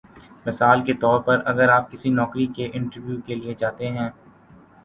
مثال کے طور پر اگر آپ کسی نوکری کے انٹرویو کے لیے جاتے ہیں